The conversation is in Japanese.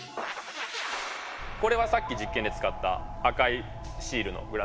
これはさっき実験で使った赤いシールのグラスですね。